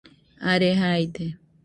are jaide